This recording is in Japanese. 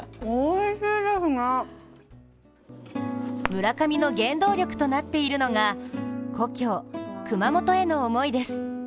村上の原動力となっているのが故郷・熊本への思いです。